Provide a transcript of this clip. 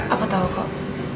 apa tau kok